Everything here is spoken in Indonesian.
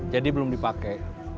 jadi belum dipake